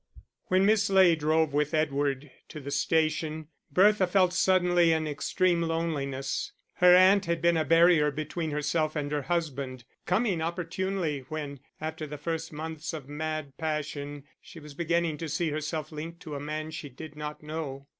When Miss Ley drove with Edward to the station, Bertha felt suddenly an extreme loneliness. Her aunt had been a barrier between herself and her husband, coming opportunely when, after the first months of mad passion, she was beginning to see herself linked to a man she did not know.